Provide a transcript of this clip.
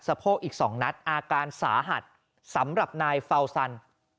โพกอีก๒นัดอาการสาหัสสำหรับนายเฟาซัน